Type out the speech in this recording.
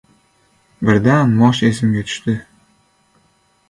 Birdan Mosh esimga tush- di.